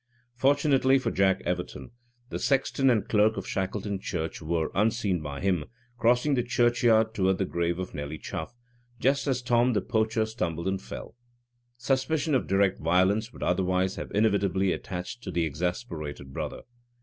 Fortunately for Jack Everton, the sexton and clerk of Shackleton church were, unseen by him, crossing the churchyard toward the grave of Nelly Chuff, just as Tom the poacher stumbled and fell. Suspicion of direct violence would otherwise have inevitably attached to the exasperated brother.